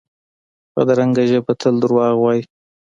بدرنګه ژبه تل دروغ وايي